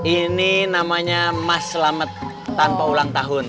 ini namanya mas selamat tanpa ulang tahun